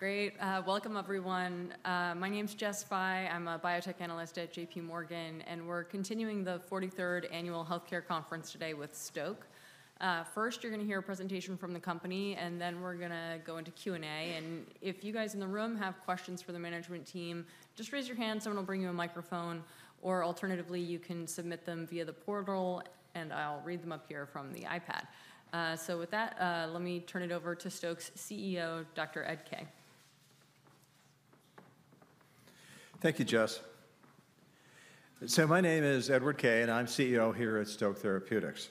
Great. Welcome, everyone. My name's Jessica Fye. I'm a biotech analyst at J.P. Morgan, and we're continuing the 43rd Annual Healthcare Conference today with Stoke. First, you're going to hear a presentation from the company, and then we're going to go into Q&A. And if you guys in the room have questions for the management team, just raise your hand. Someone will bring you a microphone, or alternatively, you can submit them via the portal, and I'll read them up here from the iPad. So with that, let me turn it over to Stoke's CEO, Dr. Ed Kaye. Thank you, Jess. So my name is Edward Kaye, and I'm CEO here at Stoke Therapeutics.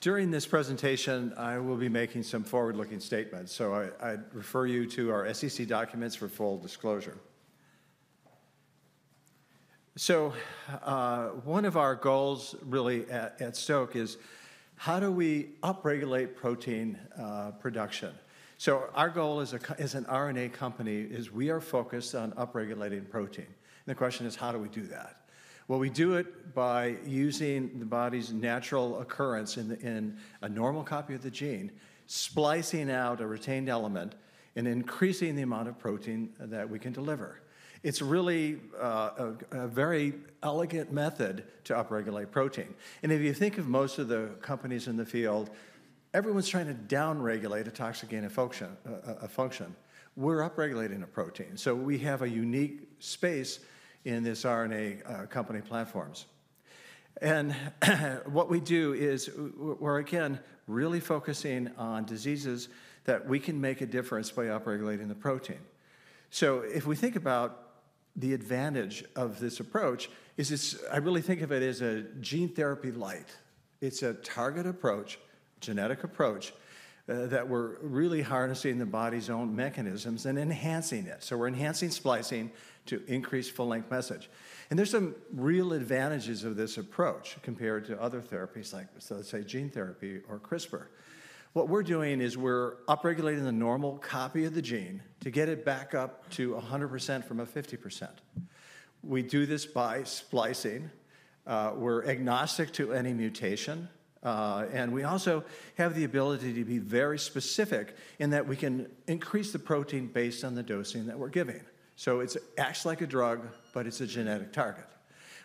During this presentation, I will be making some forward-looking statements, so I'd refer you to our SEC documents for full disclosure. One of our goals, really, at Stoke is how do we upregulate protein production? Our goal as an RNA company is we are focused on upregulating protein. And the question is, how do we do that? Well, we do it by using the body's natural occurrence in a normal copy of the gene, splicing out a retained element and increasing the amount of protein that we can deliver. It's really a very elegant method to upregulate protein. And if you think of most of the companies in the field, everyone's trying to downregulate a toxic gene function. We're upregulating a protein. We have a unique space in these RNA company platforms. What we do is we're, again, really focusing on diseases that we can make a difference by upregulating the protein. If we think about the advantage of this approach, I really think of it as a gene therapy light. It's a target approach, genetic approach, that we're really harnessing the body's own mechanisms and enhancing it. We're enhancing splicing to increase full-length message. There's some real advantages of this approach compared to other therapies, like, so to say, gene therapy or CRISPR. What we're doing is we're upregulating the normal copy of the gene to get it back up to 100% from a 50%. We do this by splicing. We're agnostic to any mutation. And we also have the ability to be very specific in that we can increase the protein based on the dosing that we're giving. So it acts like a drug, but it's a genetic target.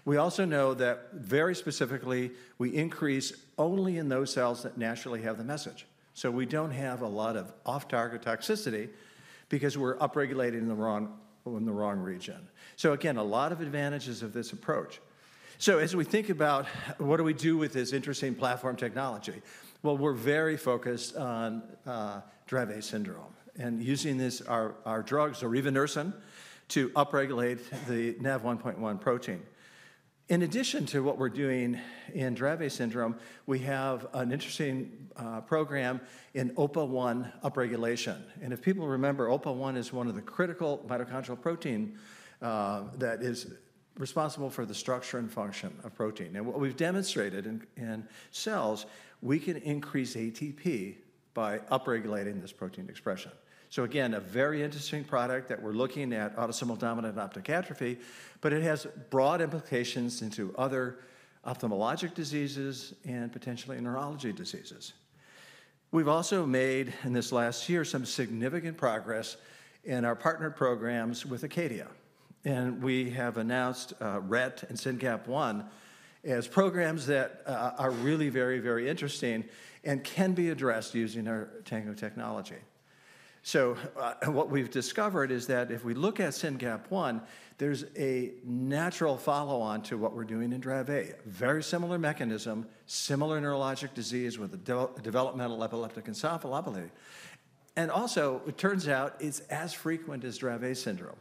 We also know that, very specifically, we increase only in those cells that naturally have the message. So we don't have a lot of off-target toxicity because we're upregulating in the wrong region. So, again, a lot of advantages of this approach. So as we think about what do we do with this interesting platform technology, well, we're very focused on Dravet syndrome and using our drug, zorevunersen, to upregulate the NaV1.1 protein. In addition to what we're doing in Dravet syndrome, we have an interesting program in OPA1 upregulation. And if people remember, OPA1 is one of the critical mitochondrial proteins that is responsible for the structure and function of protein. What we've demonstrated in cells, we can increase ATP by upregulating this protein expression. Again, a very interesting product that we're looking at, autosomal dominant optic atrophy, but it has broad implications into other ophthalmologic diseases and potentially neurology diseases. We've also made, in this last year, some significant progress in our partner programs with Acadia. We have announced Rett and SYNGAP1 as programs that are really very, very interesting and can be addressed using our TANGO technology. What we've discovered is that if we look at SYNGAP1, there's a natural follow-on to what we're doing in Dravet. Very similar mechanism, similar neurologic disease with developmental epileptic encephalopathy. Also, it turns out it's as frequent as Dravet syndrome.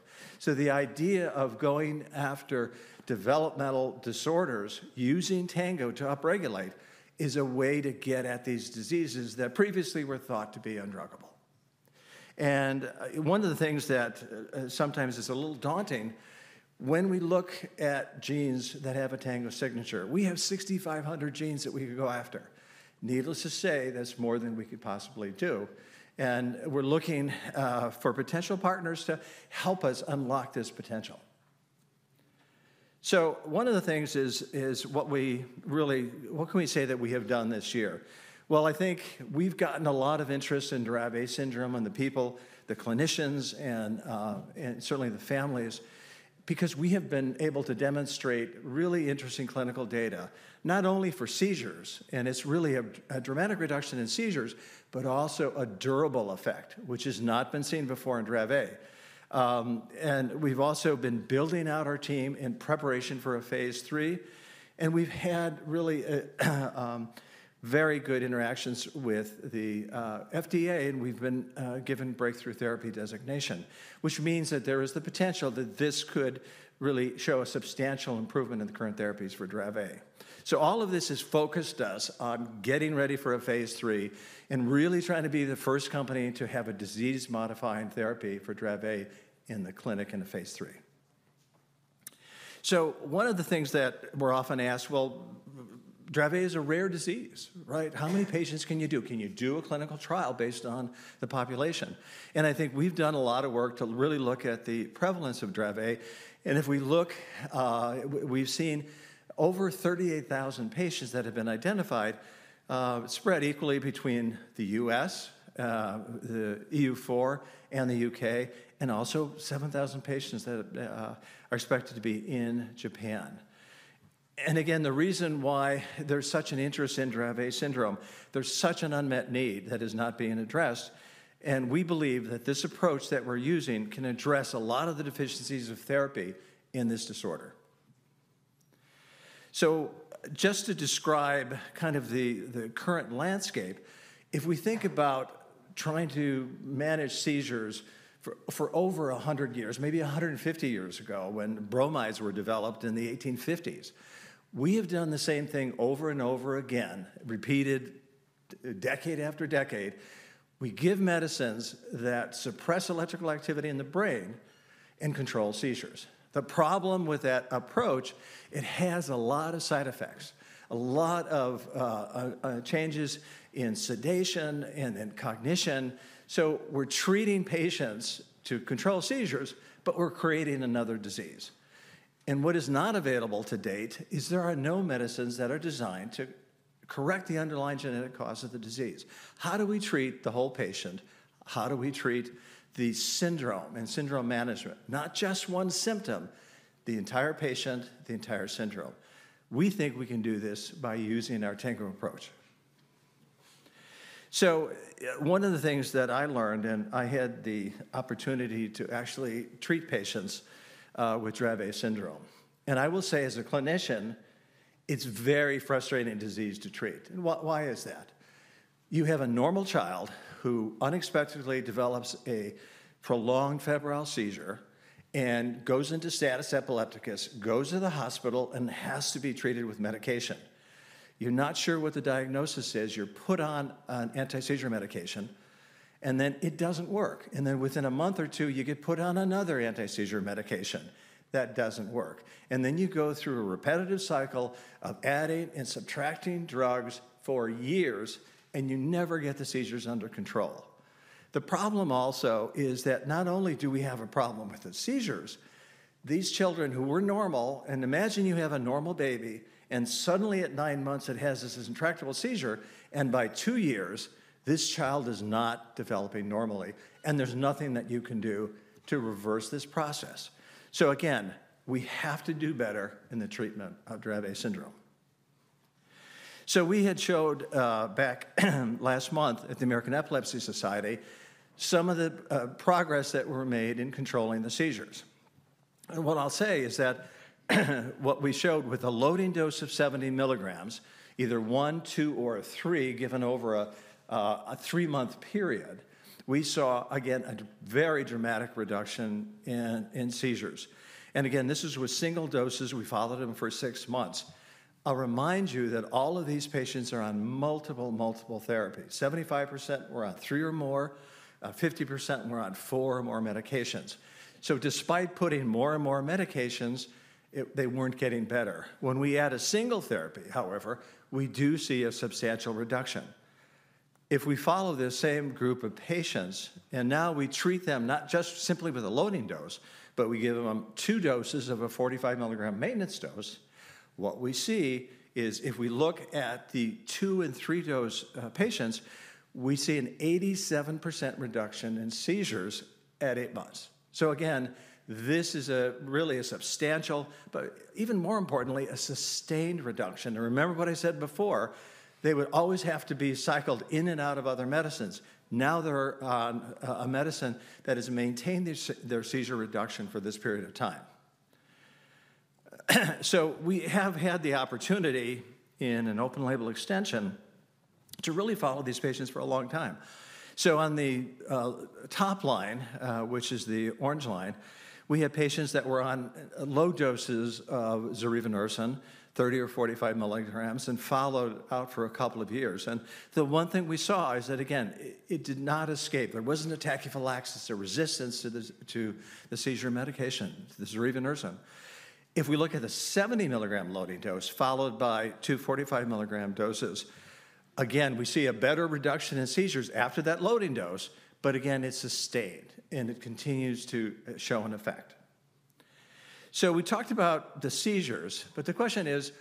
The idea of going after developmental disorders using TANGO to upregulate is a way to get at these diseases that previously were thought to be undruggable. One of the things that sometimes is a little daunting, when we look at genes that have a TANGO signature, we have 6,500 genes that we can go after. Needless to say, that's more than we could possibly do. We're looking for potential partners to help us unlock this potential. One of the things is what we really, what can we say that we have done this year? I think we've gotten a lot of interest in Dravet syndrome and the people, the clinicians, and certainly the families, because we have been able to demonstrate really interesting clinical data, not only for seizures, and it's really a dramatic reduction in seizures, but also a durable effect, which has not been seen before in Dravet. We've also been building out our team in preparation for a phase 3. And we've had really very good interactions with the FDA, and we've been given Breakthrough Therapy Designation, which means that there is the potential that this could really show a substantial improvement in the current therapies for Dravet. So all of this has focused us on getting ready for a phase 3 and really trying to be the first company to have a disease-modifying therapy for Dravet in the clinic in a phase 3. So one of the things that we're often asked, well, Dravet is a rare disease, right? How many patients can you do? Can you do a clinical trial based on the population? And I think we've done a lot of work to really look at the prevalence of Dravet. And if we look, we've seen over 38,000 patients that have been identified, spread equally between the U.S., the EU4, and the U.K., and also 7,000 patients that are expected to be in Japan. And again, the reason why there's such an interest in Dravet syndrome, there's such an unmet need that is not being addressed. And we believe that this approach that we're using can address a lot of the deficiencies of therapy in this disorder. So just to describe kind of the current landscape, if we think about trying to manage seizures for over 100 years, maybe 150 years ago when bromides were developed in the 1850s, we have done the same thing over and over again, repeated decade after decade. We give medicines that suppress electrical activity in the brain and control seizures. The problem with that approach, it has a lot of side effects, a lot of changes in sedation and in cognition, so we're treating patients to control seizures, but we're creating another disease, and what is not available to date is there are no medicines that are designed to correct the underlying genetic cause of the disease. How do we treat the whole patient? How do we treat the syndrome and syndrome management? Not just one symptom, the entire patient, the entire syndrome, we think we can do this by using our TANGO approach, so one of the things that I learned, and I had the opportunity to actually treat patients with Dravet syndrome, and I will say, as a clinician, it's a very frustrating disease to treat, and why is that? You have a normal child who unexpectedly develops a prolonged febrile seizure and goes into status epilepticus, goes to the hospital, and has to be treated with medication. You're not sure what the diagnosis is. You're put on an anti-seizure medication, and then it doesn't work, and then within a month or two, you get put on another anti-seizure medication that doesn't work, and then you go through a repetitive cycle of adding and subtracting drugs for years, and you never get the seizures under control. The problem also is that not only do we have a problem with the seizures. These children who were normal, and imagine you have a normal baby, and suddenly at nine months, it has this intractable seizure, and by two years, this child is not developing normally, and there's nothing that you can do to reverse this process. So again, we have to do better in the treatment of Dravet syndrome. So we had showed back last month at the American Epilepsy Society some of the progress that were made in controlling the seizures. And what I'll say is that what we showed with a loading dose of 70 milligrams, either one, two, or three, given over a three-month period, we saw, again, a very dramatic reduction in seizures. And again, this is with single doses. We followed them for six months. I'll remind you that all of these patients are on multiple, multiple therapies. 75% were on three or more. 50% were on four or more medications. So despite putting more and more medications, they weren't getting better. When we add a single therapy, however, we do see a substantial reduction. If we follow this same group of patients, and now we treat them not just simply with a loading dose, but we give them two doses of a 45 milligram maintenance dose, what we see is if we look at the two and three-dose patients, we see an 87% reduction in seizures at eight months. So again, this is really a substantial, but even more importantly, a sustained reduction. And remember what I said before, they would always have to be cycled in and out of other medicines. Now they're on a medicine that has maintained their seizure reduction for this period of time. So we have had the opportunity in an open-label extension to really follow these patients for a long time. So on the top line, which is the orange line, we had patients that were on low doses of zorevunersen, 30 or 45 milligrams, and followed out for a couple of years. And the one thing we saw is that, again, it did not escape. There wasn't a tachyphylaxis or resistance to the seizure medication, the zorevunersen. If we look at the 70-milligram loading dose followed by two 45-milligram doses, again, we see a better reduction in seizures after that loading dose, but again, it's sustained, and it continues to show an effect. So we talked about the seizures, but the question is,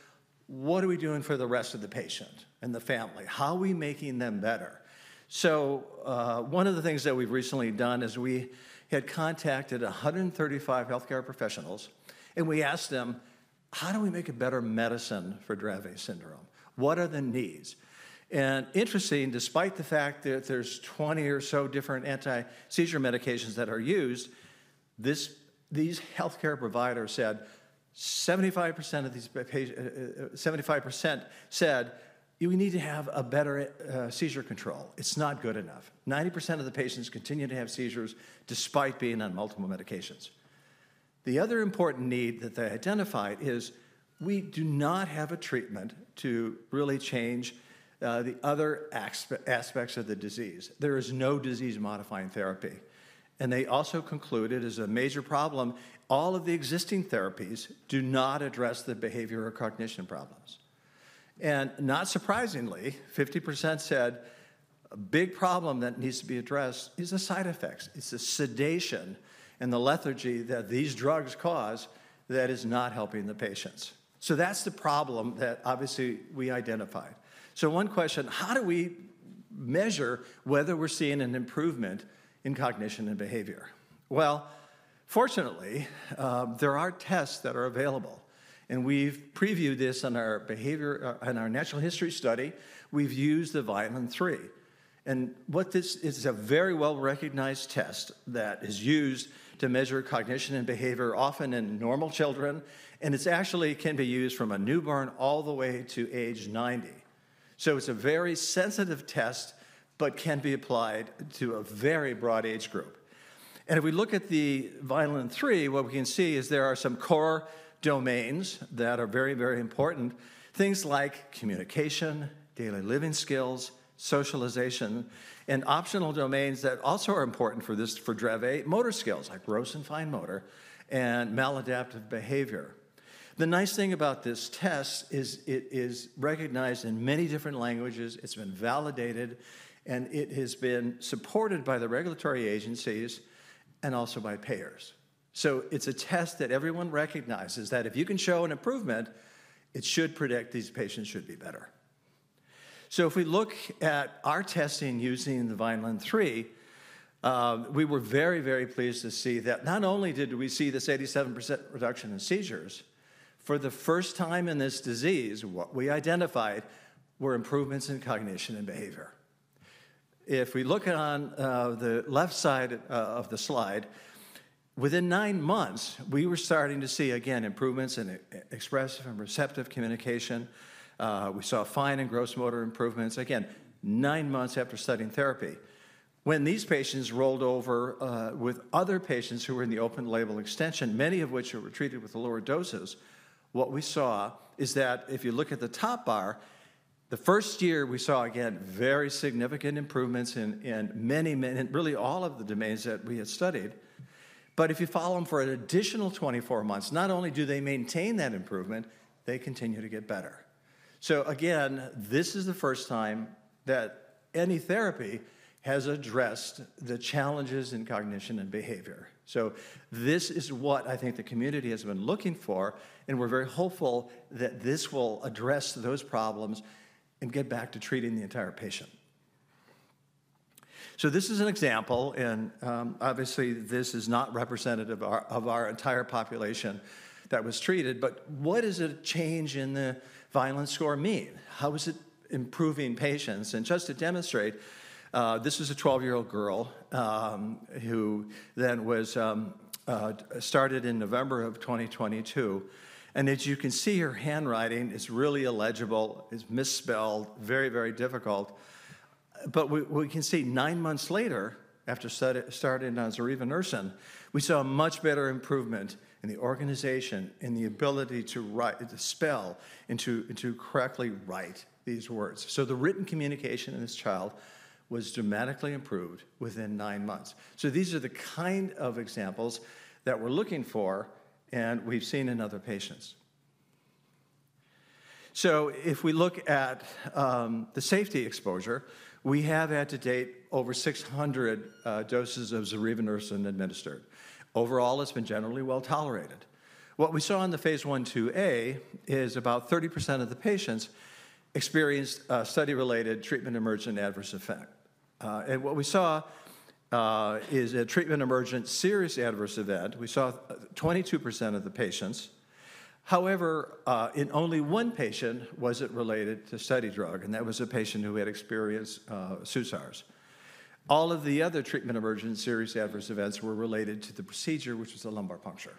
what are we doing for the rest of the patient and the family? How are we making them better? So one of the things that we've recently done is we had contacted 135 healthcare professionals, and we asked them, how do we make a better medicine for Dravet syndrome? What are the needs? And interesting, despite the fact that there's 20 or so different anti-seizure medications that are used, these healthcare providers said 75% of these patients, 75% said, we need to have a better seizure control. It's not good enough. 90% of the patients continue to have seizures despite being on multiple medications. The other important need that they identified is we do not have a treatment to really change the other aspects of the disease. There is no disease-modifying therapy. And they also concluded as a major problem, all of the existing therapies do not address the behavior or cognition problems. Not surprisingly, 50% said a big problem that needs to be addressed is the side effects. It's the sedation and the lethargy that these drugs cause that is not helping the patients. So that's the problem that obviously we identified. So one question, how do we measure whether we're seeing an improvement in cognition and behavior? Well, fortunately, there are tests that are available. And we've previewed this in our behavior and our natural history study. We've used the Vineland-3. And what this is a very well-recognized test that is used to measure cognition and behavior, often in normal children. And it actually can be used from a newborn all the way to age 90. So it's a very sensitive test, but can be applied to a very broad age group. If we look at the Vineland-3, what we can see is there are some core domains that are very, very important, things like communication, daily living skills, socialization, and optional domains that also are important for this, for Dravet, motor skills like gross and fine motor and maladaptive behavior. The nice thing about this test is it is recognized in many different languages. It's been validated, and it has been supported by the regulatory agencies and also by payers. It's a test that everyone recognizes that if you can show an improvement, it should predict these patients should be better. If we look at our testing using the Vineland-3, we were very, very pleased to see that not only did we see this 87% reduction in seizures, for the first time in this disease, what we identified were improvements in cognition and behavior. If we look on the left side of the slide, within nine months, we were starting to see, again, improvements in expressive and receptive communication. We saw fine and gross motor improvements, again, nine months after starting therapy. When these patients rolled over with other patients who were in the open-label extension, many of which were treated with the lower doses, what we saw is that if you look at the top bar, the first year we saw, again, very significant improvements in many, really all of the domains that we had studied. But if you follow them for an additional 24 months, not only do they maintain that improvement, they continue to get better. So again, this is the first time that any therapy has addressed the challenges in cognition and behavior. This is what I think the community has been looking for, and we're very hopeful that this will address those problems and get back to treating the entire patient. This is an example, and obviously this is not representative of our entire population that was treated, but what does a change in the Vineland score mean? How is it improving patients? Just to demonstrate, this is a 12-year-old girl who then was started in November of 2022. As you can see, her handwriting is really illegible, is misspelled, very, very difficult. But we can see nine months later, after starting on zorevunersen, we saw a much better improvement in the organization, in the ability to spell and to correctly write these words. The written communication in this child was dramatically improved within nine months. These are the kind of examples that we're looking for, and we've seen in other patients. If we look at the safety exposure, we have had to date over 600 doses of zorevunersen administered. Overall, it's been generally well tolerated. What we saw in the phase 1/2A is about 30% of the patients experienced a study-related treatment emergent adverse effect. What we saw is a treatment emergent serious adverse event. We saw 22% of the patients. However, in only one patient was it related to study drug, and that was a patient who had experienced seizures. All of the other treatment emergent serious adverse events were related to the procedure, which was a lumbar puncture.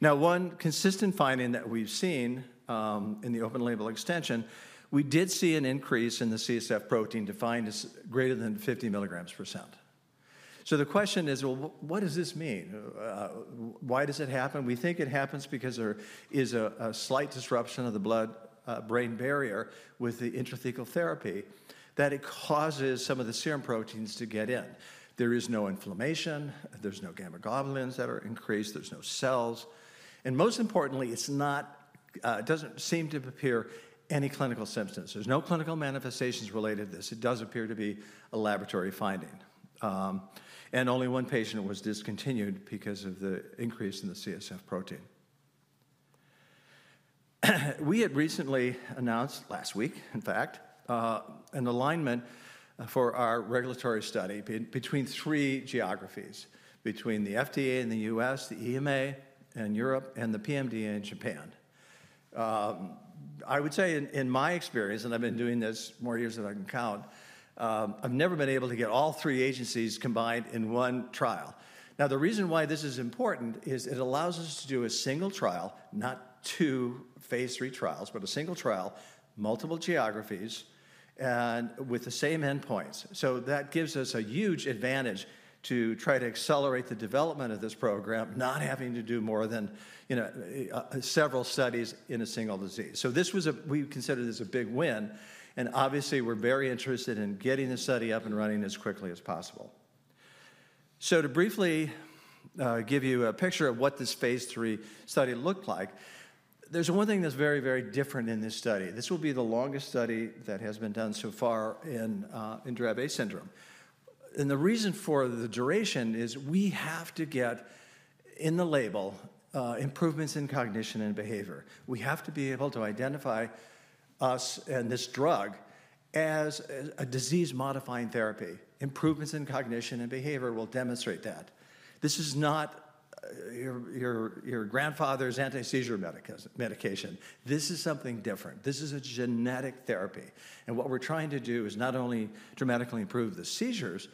Now, one consistent finding that we've seen in the open-label extension, we did see an increase in the CSF protein defined as greater than 50 mg%. The question is, well, what does this mean? Why does it happen? We think it happens because there is a slight disruption of the blood-brain barrier with the intrathecal therapy that it causes some of the serum proteins to get in. There is no inflammation. There's no gamma globulins that are increased. There's no cells. And most importantly, it doesn't seem to appear any clinical symptoms. There's no clinical manifestations related to this. It does appear to be a laboratory finding. Only one patient was discontinued because of the increase in the CSF protein. We had recently announced, last week, in fact, an alignment for our regulatory study between three geographies, between the FDA in the U.S., the EMA in Europe, and the PMDA in Japan. I would say, in my experience, and I've been doing this more years than I can count, I've never been able to get all three agencies combined in one trial. Now, the reason why this is important is it allows us to do a single trial, not two phase three trials, but a single trial, multiple geographies, and with the same endpoints, so that gives us a huge advantage to try to accelerate the development of this program, not having to do more than several studies in a single disease, so this was a, we consider this a big win, and obviously, we're very interested in getting the study up and running as quickly as possible, so to briefly give you a picture of what this phase three study looked like, there's one thing that's very, very different in this study. This will be the longest study that has been done so far in Dravet syndrome, and the reason for the duration is we have to get in the label improvements in cognition and behavior. We have to be able to identify us and this drug as a disease-modifying therapy. Improvements in cognition and behavior will demonstrate that. This is not your grandfather's anti-seizure medication. This is something different. This is a genetic therapy, and what we're trying to do is not only dramatically improve the seizures,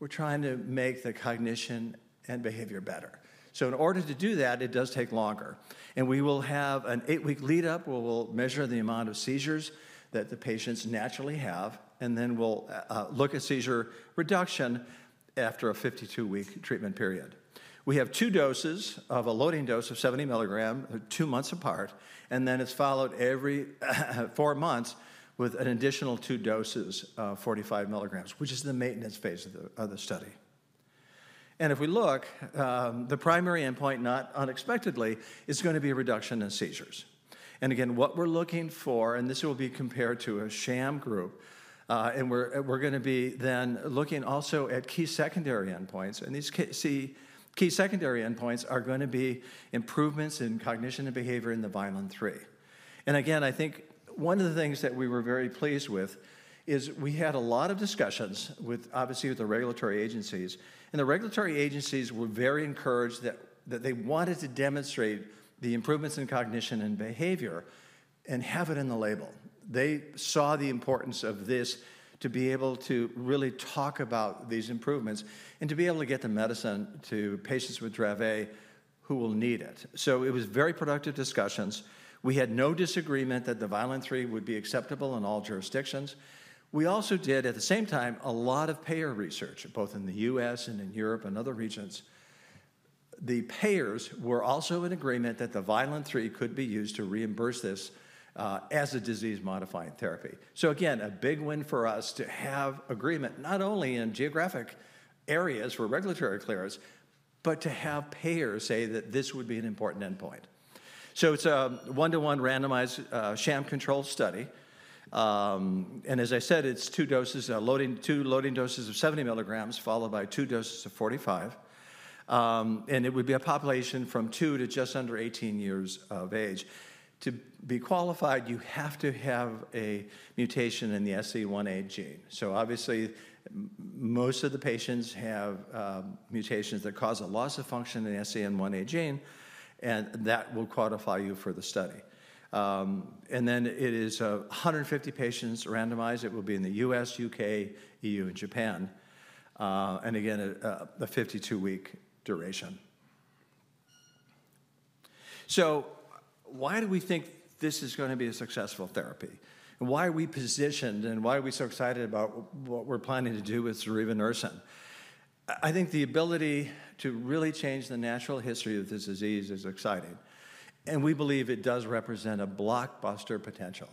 we're trying to make the cognition and behavior better, so in order to do that, it does take longer, and we will have an eight-week lead-up where we'll measure the amount of seizures that the patients naturally have, and then we'll look at seizure reduction after a 52-week treatment period. We have two doses of a loading dose of 70 milligrams, two months apart, and then it's followed every four months with an additional two doses of 45 milligrams, which is the maintenance phase of the study. And if we look, the primary endpoint, not unexpectedly, is going to be a reduction in seizures. And again, what we're looking for, and this will be compared to a sham group, and we're going to be then looking also at key secondary endpoints. And these key secondary endpoints are going to be improvements in cognition and behavior in the Vineland-3. And again, I think one of the things that we were very pleased with is we had a lot of discussions, obviously, with the regulatory agencies. And the regulatory agencies were very encouraged that they wanted to demonstrate the improvements in cognition and behavior and have it in the label. They saw the importance of this to be able to really talk about these improvements and to be able to get the medicine to patients with Dravet who will need it. So it was very productive discussions. We had no disagreement that the Vineland-3 would be acceptable in all jurisdictions. We also did, at the same time, a lot of payer research, both in the U.S. and in Europe and other regions. The payers were also in agreement that the Vineland-3 could be used to reimburse this as a disease-modifying therapy. So again, a big win for us to have agreement, not only in geographic areas for regulatory clearance, but to have payers say that this would be an important endpoint. So it's a one-to-one randomized sham control study. And as I said, it's two loading doses of 70 milligrams followed by two doses of 45. And it would be a population from two to just under 18 years of age. To be qualified, you have to have a mutation in the SCN1A gene. So obviously, most of the patients have mutations that cause a loss of function in the SCN1A gene, and that will qualify you for the study. And then it is 150 patients randomized. It will be in the U.S., U.K., EU, and Japan. And again, a 52-week duration. So why do we think this is going to be a successful therapy? And why are we positioned and why are we so excited about what we're planning to do with zorevunersen? I think the ability to really change the natural history of this disease is exciting. And we believe it does represent a blockbuster potential.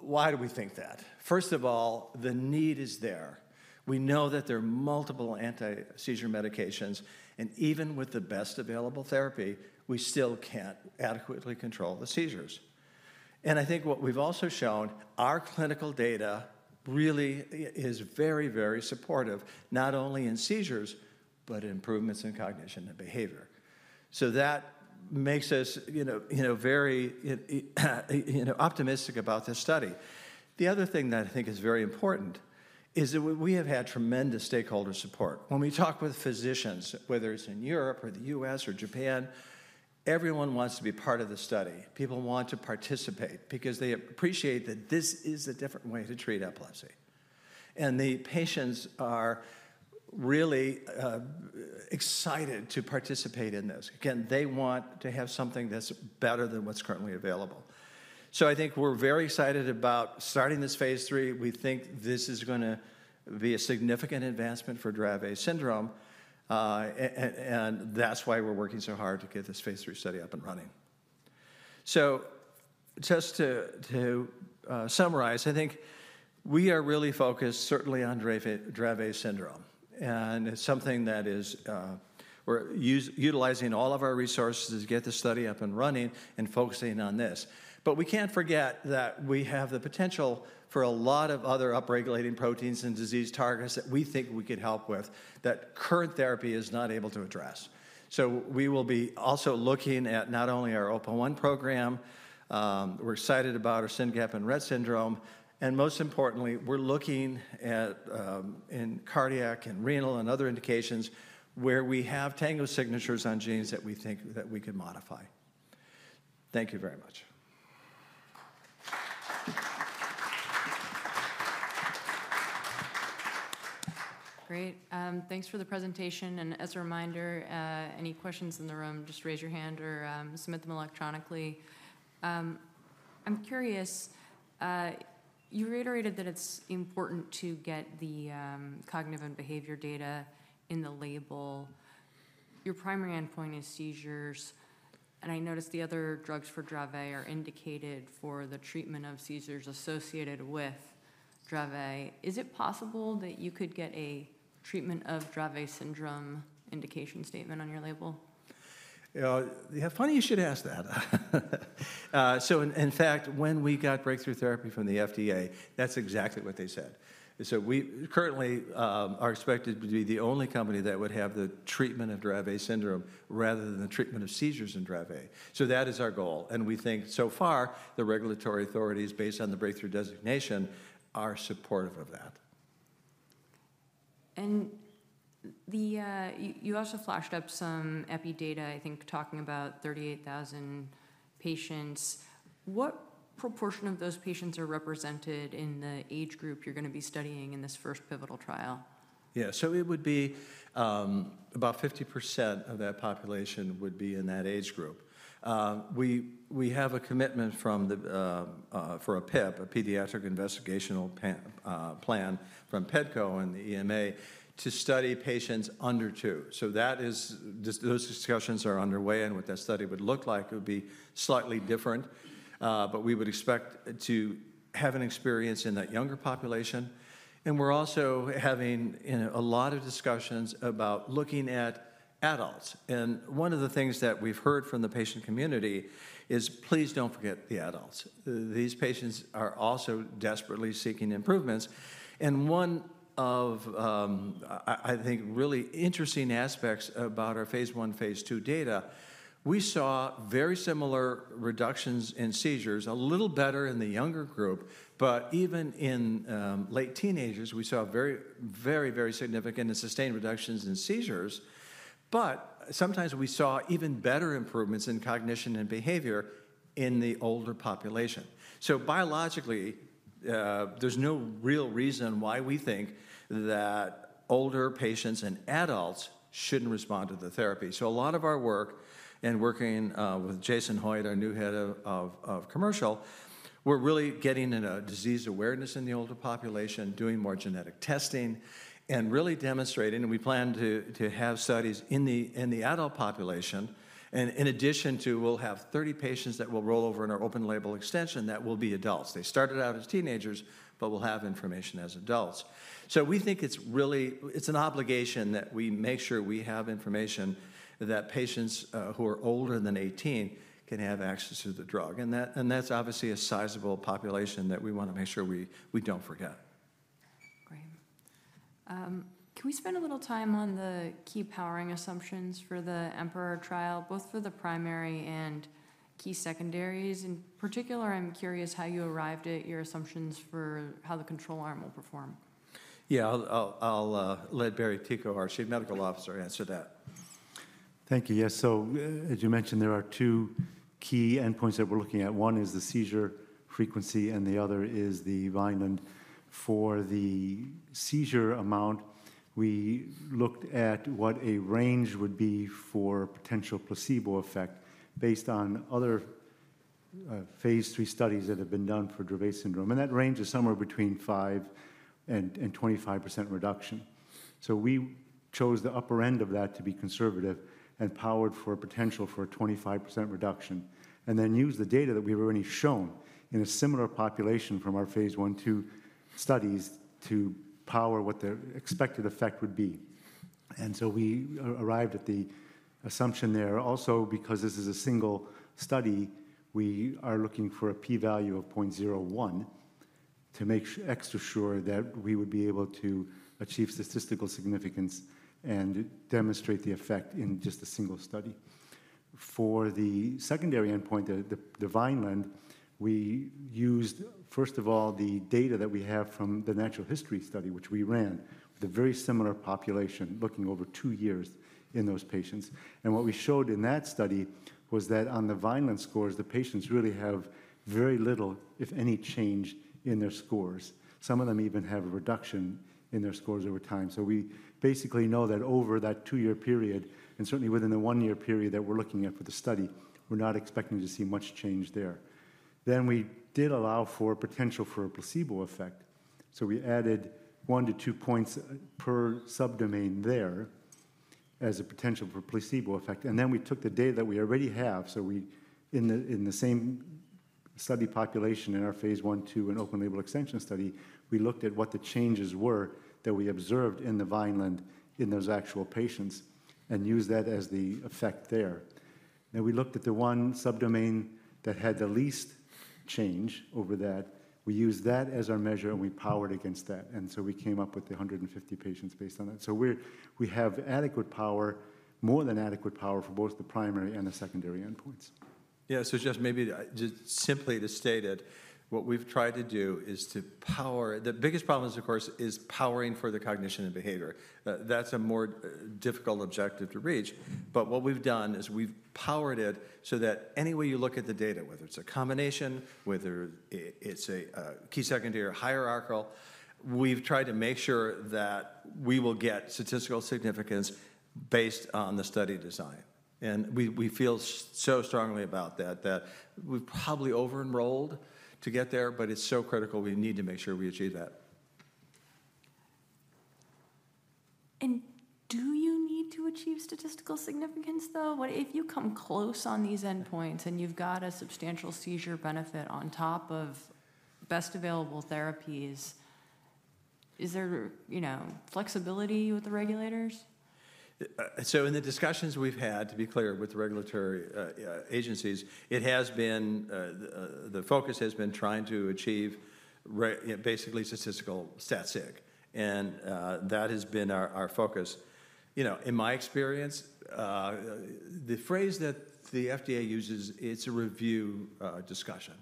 Why do we think that? First of all, the need is there. We know that there are multiple anti-seizure medications, and even with the best available therapy, we still can't adequately control the seizures, and I think what we've also shown, our clinical data really is very, very supportive, not only in seizures, but improvements in cognition and behavior, so that makes us very optimistic about this study. The other thing that I think is very important is that we have had tremendous stakeholder support. When we talk with physicians, whether it's in Europe or the U.S. or Japan, everyone wants to be part of the study. People want to participate because they appreciate that this is a different way to treat epilepsy, and the patients are really excited to participate in this. Again, they want to have something that's better than what's currently available, so I think we're very excited about starting this phase 3. We think this is going to be a significant advancement for Dravet syndrome, and that's why we're working so hard to get this phase 3 study up and running, so just to summarize, I think we are really focused certainly on Dravet syndrome, and it's something that we're utilizing all of our resources to get the study up and running and focusing on this, but we can't forget that we have the potential for a lot of other upregulating proteins and disease targets that we think we could help with that current therapy is not able to address, so we will be also looking at not only our OPA1 program. We're excited about our SYNGAP1 and Rett syndrome, and most importantly, we're looking in cardiac and renal and other indications where we have TANGO signatures on genes that we think that we could modify. Thank you very much. Great. Thanks for the presentation. And as a reminder, any questions in the room, just raise your hand or submit them electronically. I'm curious, you reiterated that it's important to get the cognitive and behavior data in the label. Your primary endpoint is seizures. And I noticed the other drugs for Dravet are indicated for the treatment of seizures associated with Dravet. Is it possible that you could get a treatment of Dravet syndrome indication statement on your label? Yeah, funny you should ask that. So in fact, when we got breakthrough therapy from the FDA, that's exactly what they said. So we currently are expected to be the only company that would have the treatment of Dravet syndrome rather than the treatment of seizures in Dravet. So that is our goal. And we think so far, the regulatory authorities, based on the breakthrough designation, are supportive of that. You also flashed up some epi data, I think, talking about 38,000 patients. What proportion of those patients are represented in the age group you're going to be studying in this first pivotal trial? Yeah, so it would be about 50% of that population would be in that age group. We have a commitment for a PIP, a pediatric investigational plan from PDCO and the EMA, to study patients under two. So those discussions are underway, and what that study would look like would be slightly different. But we would expect to have an experience in that younger population. And we're also having a lot of discussions about looking at adults. And one of the things that we've heard from the patient community is, please don't forget the adults. These patients are also desperately seeking improvements. And one of, I think, really interesting aspects about our phase one, phase two data, we saw very similar reductions in seizures, a little better in the younger group, but even in late teenagers, we saw very, very, very significant and sustained reductions in seizures. But sometimes we saw even better improvements in cognition and behavior in the older population. So biologically, there's no real reason why we think that older patients and adults shouldn't respond to the therapy. So a lot of our work and working with Jason Hoitt, our new Head of Commercial, we're really getting in a disease awareness in the older population, doing more genetic testing, and really demonstrating. And we plan to have studies in the adult population. And in addition to, we'll have 30 patients that will roll over in our open-label extension that will be adults. They started out as teenagers, but we'll have information as adults. So we think it's really, it's an obligation that we make sure we have information that patients who are older than 18 can have access to the drug. And that's obviously a sizable population that we want to make sure we don't forget. Great. Can we spend a little time on the key powering assumptions for the MONARCH trial, both for the primary and key secondaries? In particular, I'm curious how you arrived at your assumptions for how the control arm will perform. Yeah, I'll let Barry Ticho, our Chief Medical Officer, answer that. Thank you. Yeah, so as you mentioned, there are two key endpoints that we're looking at. One is the seizure frequency, and the other is the Vineland. For the seizure frequency, we looked at what a range would be for potential placebo effect based on other phase 3 studies that have been done for Dravet syndrome. And that range is somewhere between 5% and 25% reduction. So we chose the upper end of that to be conservative and powered for potential for a 25% reduction, and then used the data that we've already shown in a similar population from our phase 1/2 studies to power what the expected effect would be. And so we arrived at the assumption there. Also, because this is a single study, we are looking for a p-value of 0.01 to make extra sure that we would be able to achieve statistical significance and demonstrate the effect in just a single study. For the secondary endpoint, the Vineland, we used, first of all, the data that we have from the natural history study, which we ran with a very similar population looking over two years in those patients. And what we showed in that study was that on the Vineland scores, the patients really have very little, if any, change in their scores. Some of them even have a reduction in their scores over time. So we basically know that over that two-year period, and certainly within the one-year period that we're looking at for the study, we're not expecting to see much change there. Then we did allow for potential for a placebo effect. So we added one to two points per subdomain there as a potential for placebo effect. And then we took the data that we already have. So in the same study population in our phase 1/2 and open-label extension study, we looked at what the changes were that we observed in the Vineland in those actual patients and used that as the effect there. Then we looked at the one subdomain that had the least change over that. We used that as our measure, and we powered against that. And so we came up with the 150 patients based on that. So we have adequate power, more than adequate power for both the primary and the secondary endpoints. Yeah, so just maybe just simply to state it, what we've tried to do is to power the biggest problem is, of course, powering for the cognition and behavior. That's a more difficult objective to reach. But what we've done is we've powered it so that any way you look at the data, whether it's a combination, whether it's a key secondary or hierarchical, we've tried to make sure that we will get statistical significance based on the study design. And we feel so strongly about that, that we've probably over-enrolled to get there, but it's so critical we need to make sure we achieve that. Do you need to achieve statistical significance, though? If you come close on these endpoints and you've got a substantial seizure benefit on top of best available therapies, is there flexibility with the regulators? In the discussions we've had, to be clear, with the regulatory agencies, the focus has been trying to achieve basically statistical stat-sig. That has been our focus. In my experience, the phrase that the FDA uses, it's a review discussion,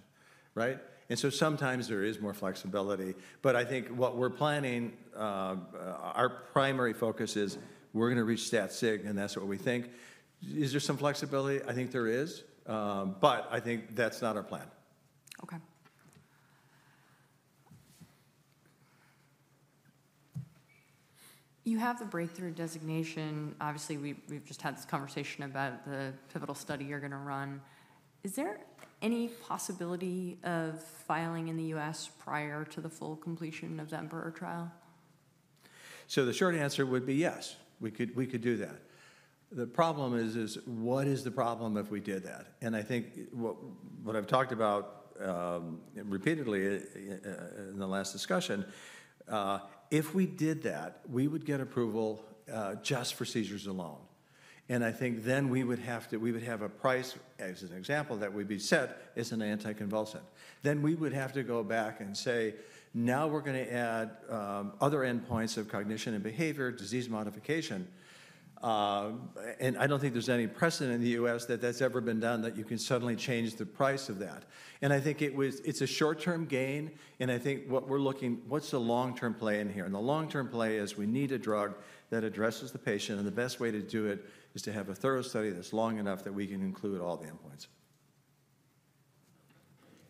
right? Sometimes there is more flexibility. I think what we're planning, our primary focus is we're going to reach stat-sig, and that's what we think. Is there some flexibility? I think there is. I think that's not our plan. Okay. You have the breakthrough designation. Obviously, we've just had this conversation about the pivotal study you're going to run. Is there any possibility of filing in the U.S. prior to the full completion of the MONARCH trial? The short answer would be yes, we could do that. The problem is, what is the problem if we did that? And I think what I've talked about repeatedly in the last discussion, if we did that, we would get approval just for seizures alone. And I think then we would have a price, as an example, that we'd be set as an anticonvulsant. Then we would have to go back and say, now we're going to add other endpoints of cognition and behavior, disease modification. And I think there's no precedent in the U.S. that that's ever been done that you can suddenly change the price of that. And I think it's a short-term gain. And I think, what's the long-term play in here? And the long-term play is we need a drug that addresses the patient. The best way to do it is to have a thorough study that's long enough that we can include all the endpoints.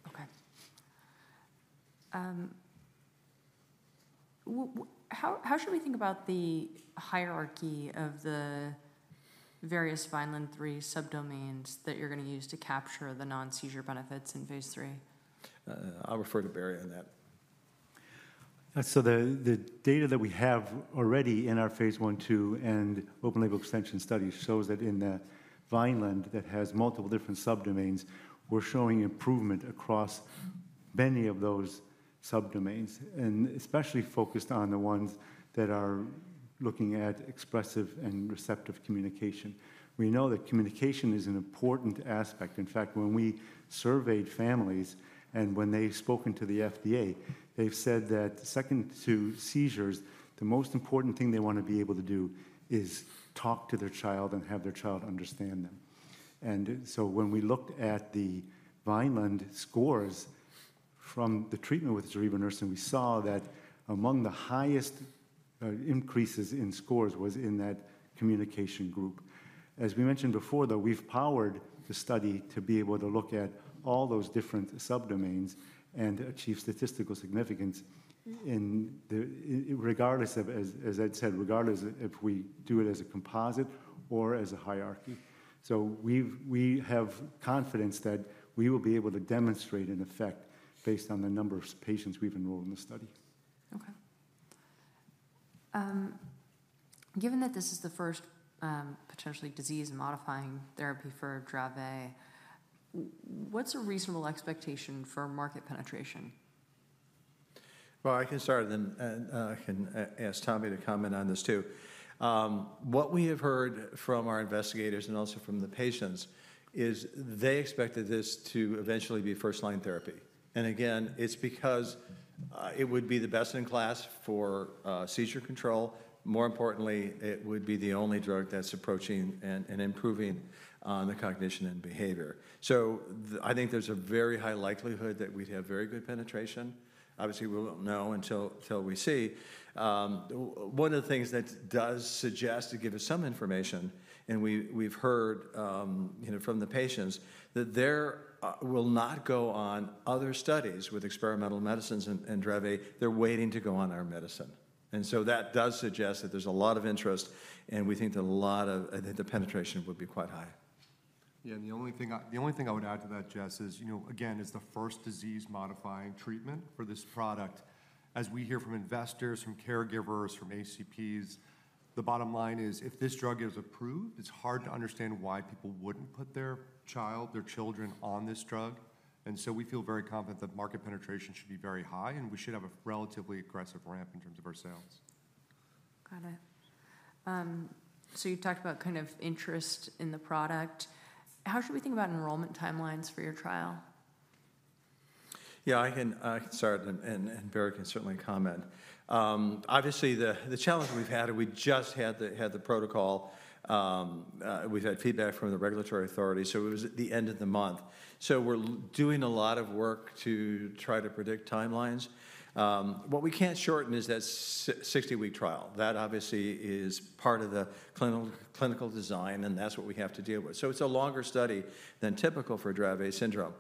Okay. How should we think about the hierarchy of the various Vineland-3 subdomains that you're going to use to capture the non-seizure benefits in phase three? I'll refer to Barry on that. So the data that we have already in our phase 1/2 and open-label extension study shows that in the Vineland that has multiple different subdomains, we're showing improvement across many of those subdomains, and especially focused on the ones that are looking at expressive and receptive communication. We know that communication is an important aspect. In fact, when we surveyed families and when they've spoken to the FDA, they've said that second to seizures, the most important thing they want to be able to do is talk to their child and have their child understand them. And so when we looked at the Vineland scores from the treatment with zorevunersen, we saw that among the highest increases in scores was in that communication group. As we mentioned before, though, we've powered the study to be able to look at all those different subdomains and achieve statistical significance regardless of, as I'd said, regardless if we do it as a composite or as a hierarchy. So we have confidence that we will be able to demonstrate an effect based on the number of patients we've enrolled in the study. Okay. Given that this is the first potentially disease-modifying therapy for Dravet, what's a reasonable expectation for market penetration? I can start, and I can ask Tommy to comment on this too. What we have heard from our investigators and also from the patients is they expected this to eventually be first-line therapy. Again, it's because it would be the best in class for seizure control. More importantly, it would be the only drug that's approaching and improving on the cognition and behavior. I think there's a very high likelihood that we'd have very good penetration. Obviously, we won't know until we see. One of the things that does suggest to give us some information, and we've heard from the patients that they will not go on other studies with experimental medicines and Dravet. They're waiting to go on our medicine. That does suggest that there's a lot of interest, and we think that a lot of—I think—the penetration would be quite high. Yeah, and the only thing I would add to that, Jess, is, again, it's the first disease-modifying treatment for this product. As we hear from investors, from caregivers, from ACPs, the bottom line is if this drug is approved, it's hard to understand why people wouldn't put their child, their children on this drug. And so we feel very confident that market penetration should be very high, and we should have a relatively aggressive ramp in terms of our sales. Got it. So you talked about kind of interest in the product. How should we think about enrollment timelines for your trial? Yeah, I can start, and Barry can certainly comment. Obviously, the challenge we've had, we just had the protocol. We've had feedback from the regulatory authority. So it was at the end of the month. So we're doing a lot of work to try to predict timelines. What we can't shorten is that 60-week trial. That obviously is part of the clinical design, and that's what we have to deal with. So it's a longer study than typical for Dravet syndrome.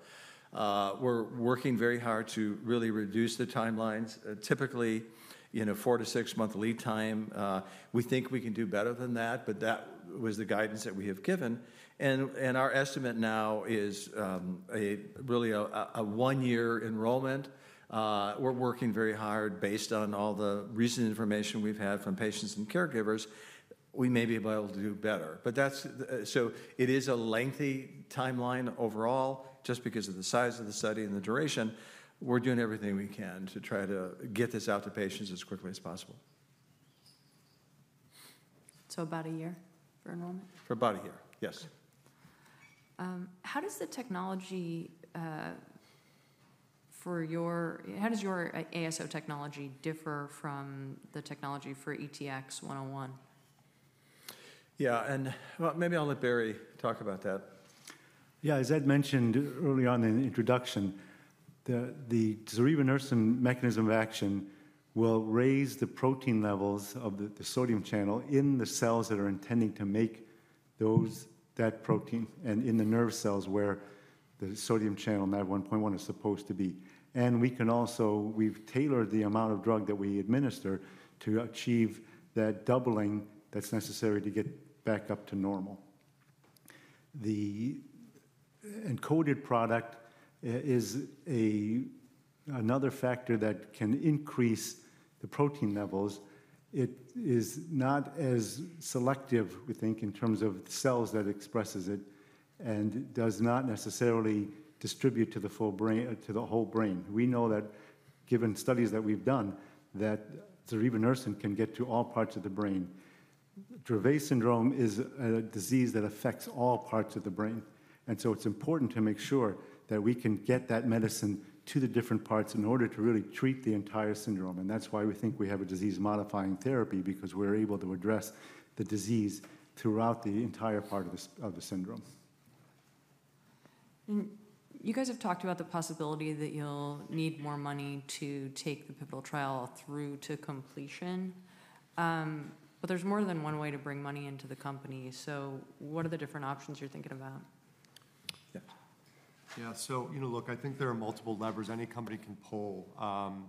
We're working very hard to really reduce the timelines, typically in a four- to six-month lead time. We think we can do better than that, but that was the guidance that we have given. And our estimate now is really a one-year enrollment. We're working very hard based on all the recent information we've had from patients and caregivers. We may be able to do better. So it is a lengthy timeline overall, just because of the size of the study and the duration. We're doing everything we can to try to get this out to patients as quickly as possible. About a year for enrollment? For about a year, yes. How does your ASO technology differ from the technology for ETX101? Yeah, and maybe I'll let Barry talk about that. Yeah, as I'd mentioned early on in the introduction, the zorevunersen mechanism of action will raise the protein levels of the sodium channel in the cells that are intending to make that protein and in the nerve cells where the sodium channel and that 1.1 is supposed to be. And we've tailored the amount of drug that we administer to achieve that doubling that's necessary to get back up to normal. The Encoded product is another factor that can increase the protein levels. It is not as selective, we think, in terms of cells that expresses it and does not necessarily distribute to the whole brain. We know that, given studies that we've done, that zorevunersen can get to all parts of the brain. Dravet syndrome is a disease that affects all parts of the brain. It's important to make sure that we can get that medicine to the different parts in order to really treat the entire syndrome. That's why we think we have a disease-modifying therapy, because we're able to address the disease throughout the entire part of the syndrome. You guys have talked about the possibility that you'll need more money to take the pivotal trial through to completion. But there's more than one way to bring money into the company. So what are the different options you're thinking about? Yeah. Yeah, so look, I think there are multiple levers any company can pull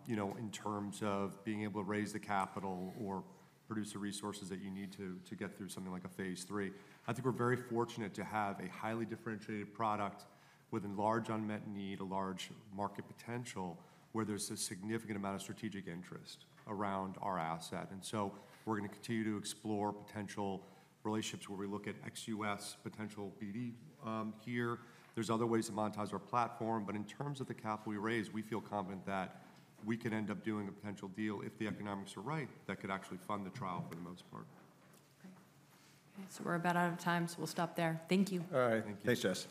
in terms of being able to raise the capital or produce the resources that you need to get through something like a phase 3. I think we're very fortunate to have a highly differentiated product with a large unmet need, a large market potential where there's a significant amount of strategic interest around our asset. And so we're going to continue to explore potential relationships where we look at ex-US, potential BD here. There's other ways to monetize our platform. But in terms of the capital we raise, we feel confident that we could end up doing a potential deal if the economics are right that could actually fund the trial for the most part. Great. Okay, so we're about out of time, so we'll stop there. Thank you. All right. Thank you. Thanks, Jess.